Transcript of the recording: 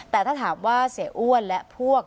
แต่ถ้าถามว่าเสียอ้วนและพวก